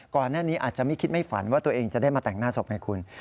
อาจจะไม่คิดไม่ฝันว่าตัวเองจะได้มาแต่งหน้าศพไงคุณ